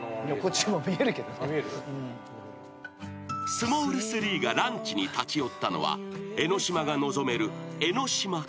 ［スモール３がランチに立ち寄ったのは江ノ島が望める］